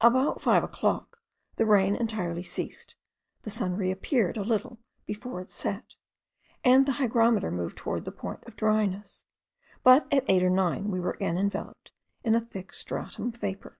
About five o'clock the rain entirely ceased, the sun reappeared a little before it set, and the hygrometer moved towards the point of dryness; but at eight or nine we were again enveloped in a thick stratum of vapour.